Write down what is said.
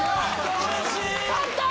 うれしい。